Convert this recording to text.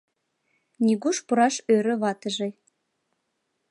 — нигуш пураш ӧрӧ ватыже.